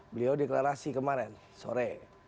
beliau deklarasi kemarin sore